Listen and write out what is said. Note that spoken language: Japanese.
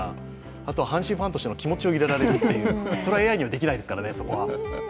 あとは阪神ファンとしての気持ちを入れられるというそれはＡＩにはできないですからねそこは。